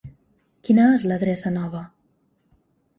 Quina és l'adreça nova?